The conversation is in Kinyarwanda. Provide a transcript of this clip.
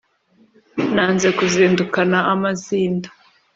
Nanze kuzindukana amazinda